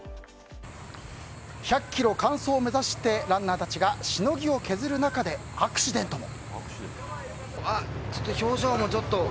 １００ｋｍ完走を目指してランナーたちがしのぎを削る中でアクシデントも。